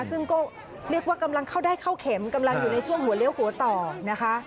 ซึ่งก็เรียกว่ากำลังเข้าได้เข้าเข็มกำลังอยู่ในช่วงหัวเลี้ยวหัวต่อนะคะ